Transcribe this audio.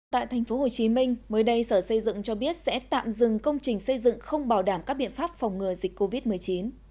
tại tp hcm mới đây sở xây dựng cho biết sẽ tạm dừng công trình xây dựng không bảo đảm các biện pháp phòng ngừa dịch covid một mươi chín